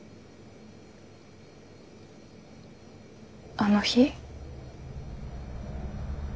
あの日。